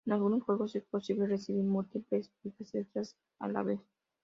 En algunos juegos, es posible recibir múltiples vidas extra a la vez.